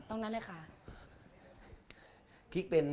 ตรงนั้นเลยค่ะ